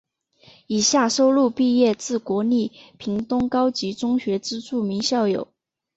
以下收录毕业自国立屏东高级中学之著名校友。